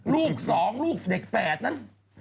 ลูก๒ลูกเด็กแฝดนั้น